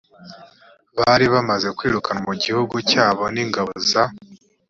bari bamaze kwirukanwa mu gihugu cyabo n ingabo za